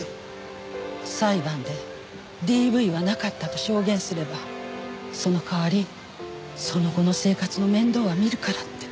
裁判でＤＶはなかったと証言すればその代わりその後の生活の面倒は見るからって。